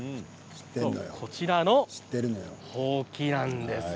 こちらの、ほうきなんです。